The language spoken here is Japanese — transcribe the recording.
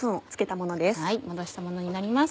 もどしたものになります